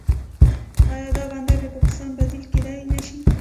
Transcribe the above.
آیا دا بندر د پاکستان بدیل کیدی نشي؟